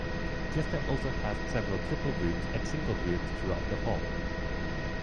Jester also has several triple rooms and single rooms throughout the hall.